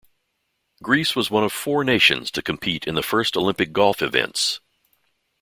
Greece was one of four nations to compete in the first Olympic golf events.